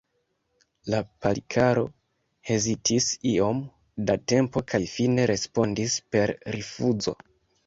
La Palikaro hezitis iom da tempo kaj fine respondis per rifuzo.